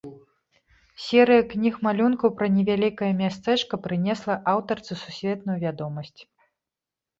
Серыя кніг-малюнкаў пра невялікае мястэчка прынесла аўтарцы сусветную вядомасць.